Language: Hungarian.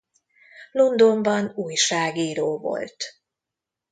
Londonban újságíró volt.